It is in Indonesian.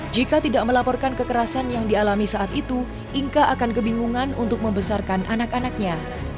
jika tidak melaporkan kekerasan yang dialami saat itu inka akan kebingungan untuk membesarkan anak anaknya